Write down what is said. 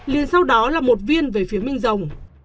liền sau đó là một viên về phía minh rồng